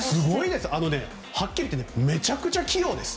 はっきり言ってめちゃくちゃ器用です。